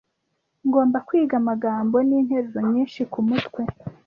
Ngomba kwiga amagambo ninteruro nyinshi kumutwe.